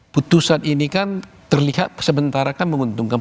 putusan ini kan terlihat sementara kan menguntungkan